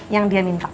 yang dia minta